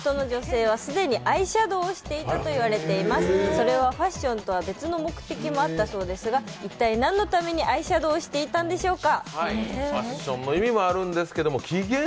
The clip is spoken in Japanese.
それはファッションとは別の目的があったそうですが一体、何のためにアイシャドウをしていたんでしょうか？